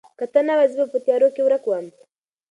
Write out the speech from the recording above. که ته نه وای، زه به په تیارو کې ورک وم.